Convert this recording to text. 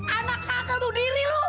anak kagak tuh diri lu